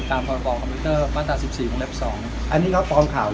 อันนี้ก็ความข่าวไหนครับ